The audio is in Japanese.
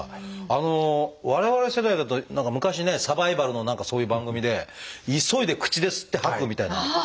あの我々世代だと何か昔ねサバイバルの何かそういう番組で急いで口で吸って吐くみたいな。